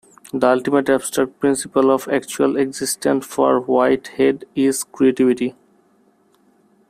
The ultimate abstract principle of actual existence for Whitehead is creativity.